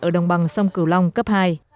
ở đồng bằng sông cửu long cấp hai